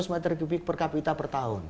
seribu dua ratus meter kubik per kapita per tahun